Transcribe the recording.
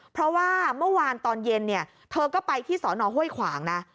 เพราะว่าเมื่อวานตอนเย็นเนี่ยเธอก็ไปที่สอนอห้วยขวางนะ